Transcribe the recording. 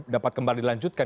dapat kembali dilanjutkan